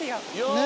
ねえ。